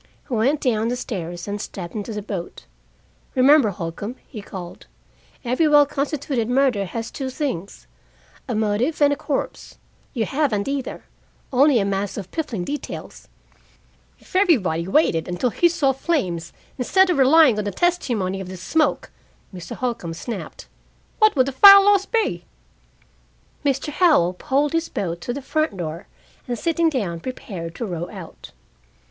He went down the stairs and stepped into the boat. "Remember, Holcombe," he called, "every well constituted murder has two things: a motive and a corpse. You haven't either, only a mass of piffling details " "If everybody waited until he saw flames, instead of relying on the testimony of the smoke," Mr. Holcombe snapped, "what would the fire loss be?" Mr. Howell poled his boat to the front door, and sitting down, prepared to row out.